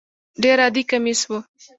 ډېر عادي کمیس و.